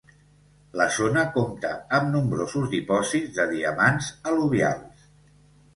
La zona compta amb nombrosos dipòsits de diamants al·luvials.